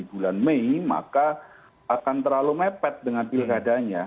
bulan mei maka akan terlalu mepet dengan pilkadanya